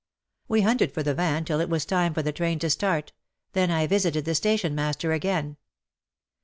We hunted for the van till it was time for the train to start, then I visited the station master again.